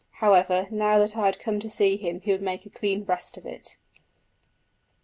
However, now that I had come to see him he would make a clean breast of it.